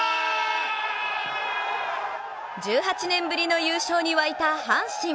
１８年ぶりの優勝に沸いた阪神。